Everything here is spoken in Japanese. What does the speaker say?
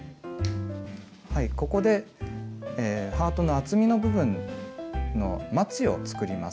ここでハートの厚みの部分のまちを作ります。